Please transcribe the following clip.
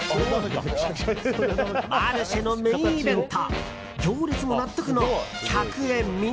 マルシェのメインイベント！